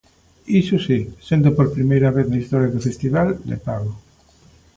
Iso si, sendo por primeira vez na historia do festival, de pago.